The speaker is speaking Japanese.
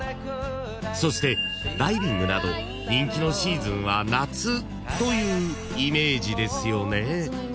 ［そしてダイビングなど人気のシーズンは夏というイメージですよね］